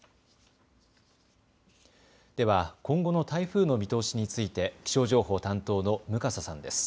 では今後の台風の見通しについて気象情報担当の向笠さんです。